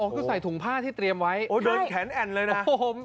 อ๋อก็ใส่ถุงผ้าที่เตรียมไว้โอ้ยเดินแขนแอ่นเลยนะโอ้โหโหอ๋อเห็นไหม